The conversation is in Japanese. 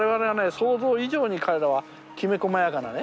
想像以上に彼らはきめこまやかなね